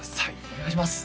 お願いします